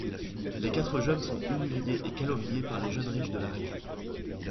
Les quatre jeunes sont humiliés et calomniés par les jeunes riches de la région.